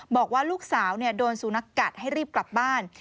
บอกว่าลูกสาวโดนสุนัขกัดให้รีบกลับบ้าน